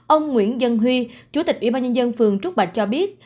ông nguyễn dân huy chủ tịch ủy ban nhân dân phường trúc bạch cho biết